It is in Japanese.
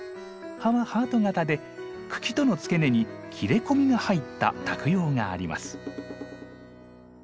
葉はハート形で茎との付け根に切れ込みが入った托葉があります。